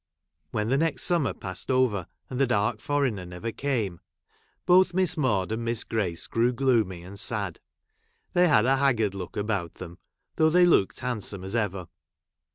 When the next summer passed over and the dark foreigner never came, both Miss Maude and Miss Grace grew gloomy and I sad ; they had a haggard look about them, though they looked handsome as evei*.